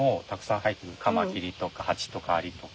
カマキリとかハチとかアリとか。